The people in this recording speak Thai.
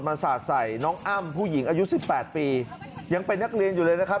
สาดใส่น้องอ้ำผู้หญิงอายุสิบแปดปียังเป็นนักเรียนอยู่เลยนะครับ